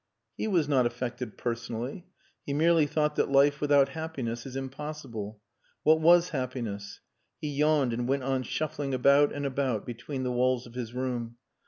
He was not affected personally. He merely thought that life without happiness is impossible. What was happiness? He yawned and went on shuffling about and about between the walls of his room.